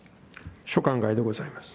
所管外でございます。